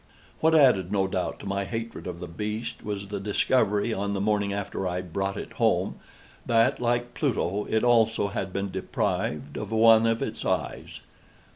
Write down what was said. What added, no doubt, to my hatred of the beast, was the discovery, on the morning after I brought it home, that, like Pluto, it also had been deprived of one of its eyes.